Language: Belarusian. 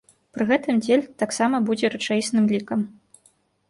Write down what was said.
Пры гэтым дзель таксама будзе рэчаісным лікам.